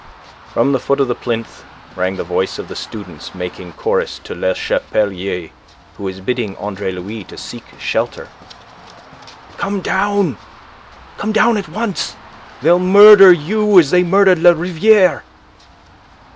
From the foot of the plinth rang the voice of the students making chorus to Le Chapelier, who was bidding Andre Louis to seek shelter. "Come down! Come down at once! They'll murder you as they murdered La Riviere."